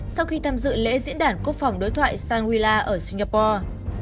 sau khi tham dự lễ diễn đàn quốc phòng đối thoại shangri la ở singapore